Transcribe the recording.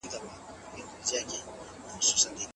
که ميرمن بيله اجازې ووځي ګناه يې وکړه؟